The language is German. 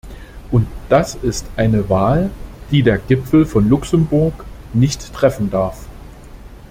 Und das ist eine Wahl, die der Gipfel von Luxemburg nicht treffen darf.